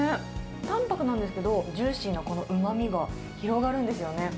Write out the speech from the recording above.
たんぱくなんですけど、ジューシーなこのうまみが広がるんですよね。